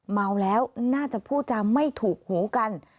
เมาแล้วน่าจะพูดจาไม่ถูกหูกัน